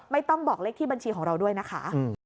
ไม่ต้องบอกเลขที่บัญชีของเราด้วยนะคะ